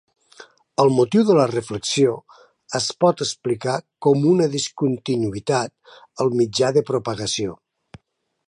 El motiu de la reflexió es pot explicar com una discontinuïtat al mitjà de propagació.